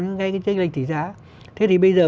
những cái tranh lệch tỷ giá thế thì bây giờ